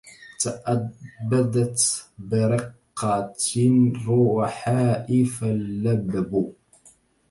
تأبدت برقة الروحاء فاللبب